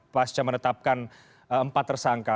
pasca menetapkan empat tersangka